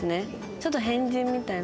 ちょっと変人みたいな？